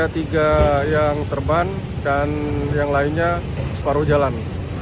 ada tiga yang terbang dan yang lainnya separuh jalan